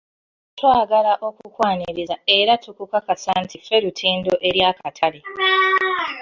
Twagala okukwaniriza era tukukakasa nti ffe lutindo eri akatale.